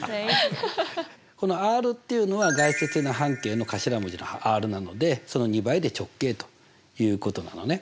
このＲっていうのは外接円の半径の頭文字のＲなのでその２倍で直径ということなのね。